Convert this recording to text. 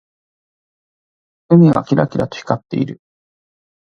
海がキラキラと光っている。